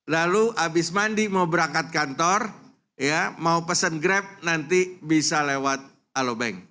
lalu habis mandi mau berangkat kantor ya mau pesen grab nanti bisa lewat alobank